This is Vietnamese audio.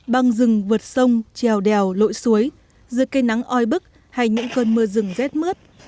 băng rừng vượt sông trèo đèo lội suối giữa cây nắng oi bức hay những cơn mưa rừng rét mướt